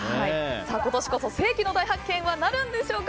今年こそ世紀の大発見になるんでしょうか。